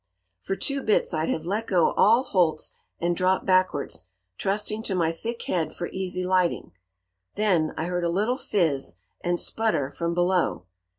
"For two bits I'd have let go all holts and dropped backwards, trusting to my thick head for easy lighting. Then I heard a little fizz and sputter from below.